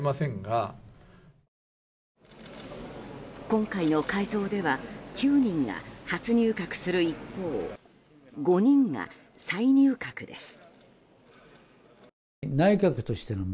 今回の改造では９人が初入閣する一方５人が再入閣です。